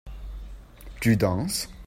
Tu danses ?